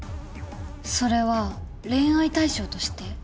それは恋愛対象として？